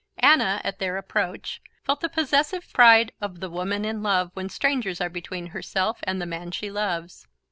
Anna, at their approach, felt the possessive pride of the woman in love when strangers are between herself and the man she loves.